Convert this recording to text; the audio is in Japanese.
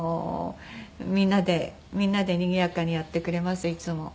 みんなでにぎやかにやってくれますいつも。